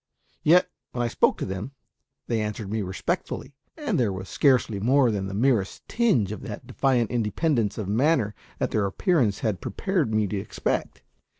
Yet, when I spoke to them, they answered me respectfully, and there was scarcely more than the merest tinge of that defiant independence of manner that their appearance had prepared me to expect.